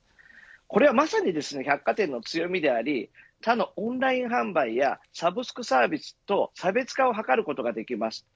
これはまさに百貨店の強みであり他のオンライン販売やサブスクサービスと差別化を図ることができます。